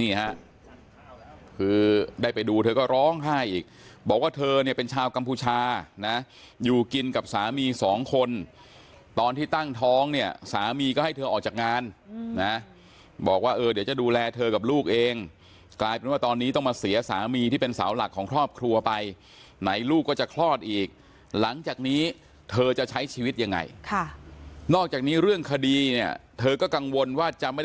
นี่ฮะคือได้ไปดูเธอก็ร้องไห้อีกบอกว่าเธอเนี่ยเป็นชาวกัมพูชานะอยู่กินกับสามีสองคนตอนที่ตั้งท้องเนี่ยสามีก็ให้เธอออกจากงานนะบอกว่าเออเดี๋ยวจะดูแลเธอกับลูกเองกลายเป็นว่าตอนนี้ต้องมาเสียสามีที่เป็นเสาหลักของครอบครัวไปไหนลูกก็จะคลอดอีกหลังจากนี้เธอจะใช้ชีวิตยังไงค่ะนอกจากนี้เรื่องคดีเนี่ยเธอก็กังวลว่าจะไม่ได้ระ